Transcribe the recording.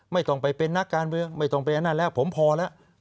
ไม่ต้องไปเป็นนักการเมืองไม่ต้องเป็นอันนั้นแล้วผมพอแล้ว